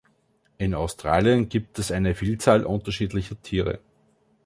In Australien gibt es eine Vielzahl unterschiedlicher Tiere.